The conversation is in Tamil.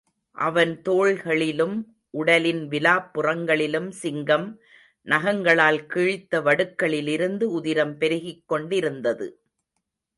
அவன் தோள்களிலிலும், உடலின் விலாப்புறங்களிலும் சிங்கம் நகங்களால் கிழித்த வடுக்களிலிருந்து உதிரம் பெருகிக் கொண்டிருந்தது.